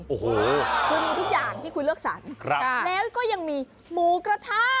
โอ้โหคือมีทุกอย่างที่คุณเลือกสรรแล้วก็ยังมีหมูกระทะ